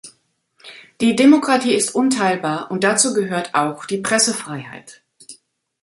Die Demokratie ist unteilbar, und dazu gehört auch die Pressefreiheit.